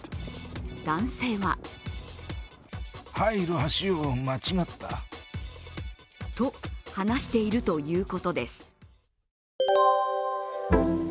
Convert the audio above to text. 男性はと、話しているということです